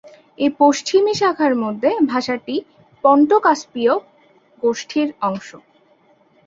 এই পশ্চিমি শাখার মধ্যে ভাষাটি পন্টো-কাস্পীয় গোষ্ঠীর অংশ।